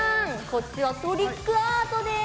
こっちはトリックアートです。